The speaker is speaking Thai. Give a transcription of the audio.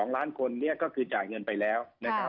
๔๒ล้านคนก็คือจ่ายเงินไปแล้ว